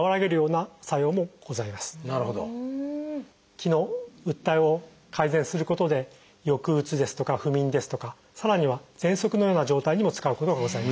気のうっ滞を改善することで抑うつですとか不眠ですとかさらにはぜんそくのような状態にも使うことがございます。